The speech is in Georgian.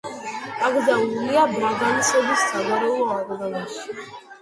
დაკრძალულია ბრაგანსების საგვარეულო აკლდამაში.